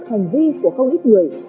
hành vi của không ít người